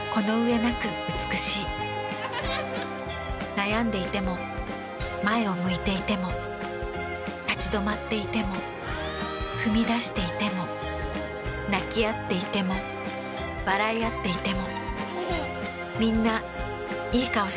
悩んでいても前を向いていても立ち止まっていても踏み出していても泣きあっていても笑いあっていても。